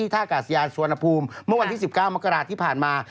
ท่ากาศยานสุวรรณภูมิเมื่อวันที่๑๙มกราศที่ผ่านมา